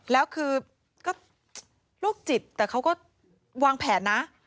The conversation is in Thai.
แล้วคือก็โรคจิตแต่เขาก็วางแผนนะ